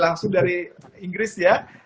langsung dari inggris ya